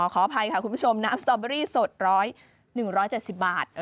ขออภัยค่ะคุณผู้ชมน้ำสตอเบอรี่สด๑๗๐บาท